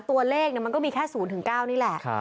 ตัวเลขมันก็มีแค่๐๙นี่แหละ